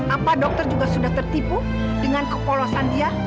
apa dokter juga sudah tertipu dengan kepolosan dia